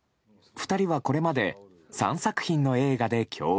２人はこれまで３作品の映画で共演。